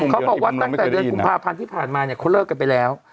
เขาบอกว่าตั้งแต่เดือนกุมภาพันธ์ที่ผ่านมาเนี่ยเขาเลิกกันไปแล้ว